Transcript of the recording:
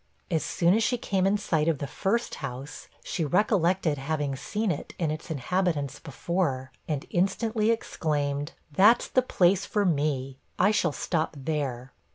As soon as she came in sight of the first house, she recollected having seen it and its inhabitants before, and instantly exclaimed, 'That's the place for me; I shall stop there.'